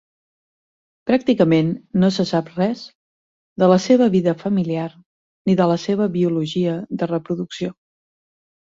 Pràcticament no se sap res de la seva vida familiar ni de la seva biologia de reproducció.